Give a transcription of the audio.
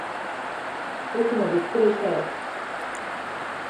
僕もびっくりしたよ。